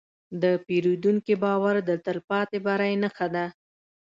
د پیرودونکي باور د تلپاتې بری نښه ده.